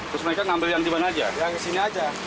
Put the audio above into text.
terus mereka ngambil yang di mana aja